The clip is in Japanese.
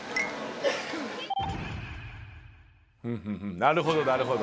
なるほど、なるほど。